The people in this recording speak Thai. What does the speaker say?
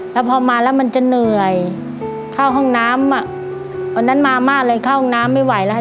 แล้วพอมาแล้วมันจะเหนื่อยเข้าห้องน้ำอ่ะวันนั้นมามากเลยเข้าห้องน้ำไม่ไหวแล้วค่ะ